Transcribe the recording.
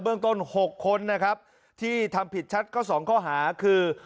ต้น๖คนนะครับที่ทำผิดชัดก็๒ข้อหาคือ